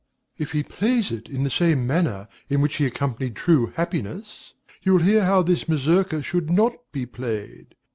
If he plays it in the same manner in which he accompanied "True Happiness," you will hear how this mazourka should not be played.